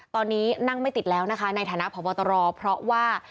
ตอนนี้นั่งไม่ติดแล้วนะคะในฐานะพบตรเพราะว่า